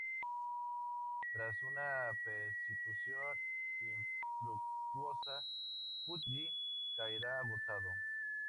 Tras una persecución infructuosa, Pudgy caerá agotado.